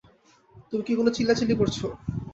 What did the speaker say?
তুমি কেন চিল্লাচিল্লি করছ?